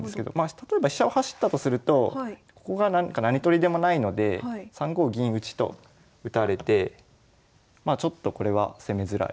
例えば飛車を走ったとするとここが何取りでもないので３五銀打と打たれてまあちょっとこれは攻めづらい。